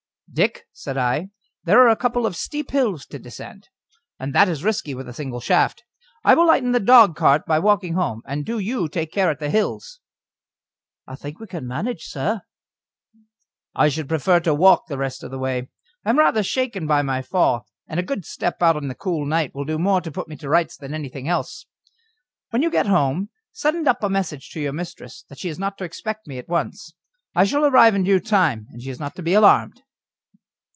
"Dick," said I, "there are a couple of steep hills to descend, and that is risky with a single shaft. I will lighten the dogcart by walking home, and do you take care at the hills." "I think we can manage, sir." "I should prefer to walk the rest of the way. I am rather shaken by my fall, and a good step out in the cool night will do more to put me to rights than anything else. When you get home, send up a message to your mistress that she is not to expect me at once. I shall arrive in due time, and she is not to be alarmed."